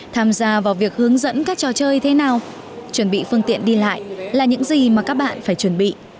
tham gia vào việc hướng dẫn các trò chơi thế nào chuẩn bị phương tiện đi lại là những gì mà các bạn phải chuẩn bị